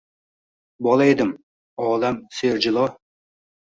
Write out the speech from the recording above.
Bola edim – olam serjilo